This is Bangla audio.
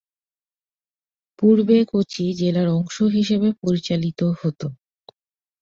পূর্বে কচি জেলার অংশ হিসেবে পরিচালিত হত।